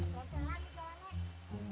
masuk lagi bawah nek